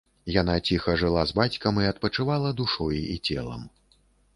Яна ціха жыла з бацькам і адпачывала душой і целам.